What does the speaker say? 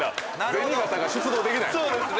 銭形が出動できない！